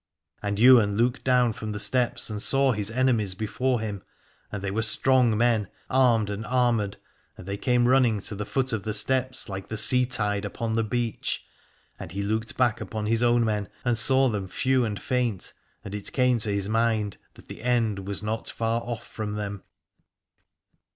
And Ywain looked down from the steps and saw his enemies before him, and they were strong men armed and armoured, and they came running to the foot of the steps like the sea tide upon the beach. And he looked back upon his own men and saw them few and faint, and it came into his mind that the end was not far off from them.